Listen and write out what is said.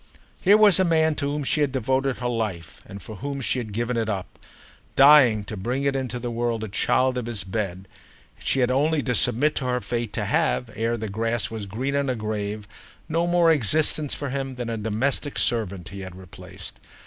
Here was a man to whom she had devoted her life and for whom she had given it up—dying to bring into the world a child of his bed; and she had had only to submit to her fate to have, ere the grass was green on her grave, no more existence for him than a domestic servant he had replaced.